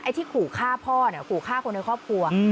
ที่ขู่ฆ่าพ่อเนี่ยขู่ฆ่าคนในครอบครัว